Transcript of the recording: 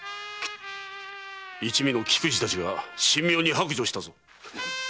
一味の菊次たちが神妙に白状したぞ。